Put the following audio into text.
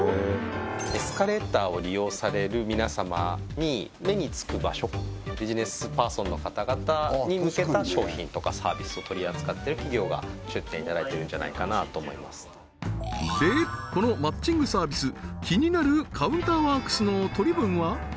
エスカレーターを利用される皆様に目につく場所ビジネスパーソンの方々に向けた商品とかサービスを取り扱ってる企業が出店いただいてるんじゃないかなと思いますでこのマッチングサービス気になるカウンターワークスの取り分は？